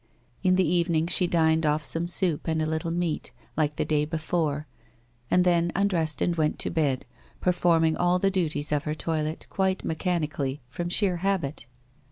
In the evening she dined off some soup and a little meat, like the day before, and then undressed and went to bed, per forming all the duties of her toilet quite mechanically, from sheer habit.